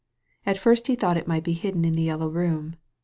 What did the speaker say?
At first he thought it might be hidden in the Yellow Room.